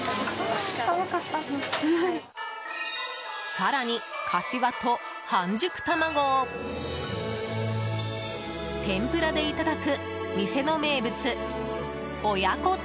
更に、かしわと半熟卵を天ぷらでいただく店の名物、親子天。